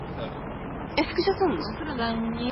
Her daughter and son-in-law are also buried close by.